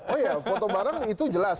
oh iya foto bareng itu jelas